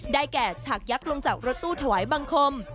แก่ฉากยักษ์ลงจากรถตู้ถวายบังคม